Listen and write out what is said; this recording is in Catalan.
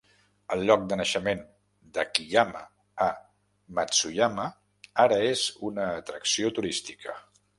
El lloc de naixement d'Akiyama a Matsuyama ara és una atracció turística.